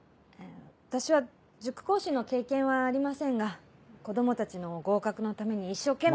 私は塾講師の経験はありませんが子供たちの合格のために一生懸命。